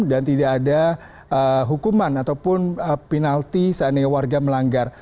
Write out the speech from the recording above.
dan tidak ada hukuman ataupun penalti seandainya warga melanggar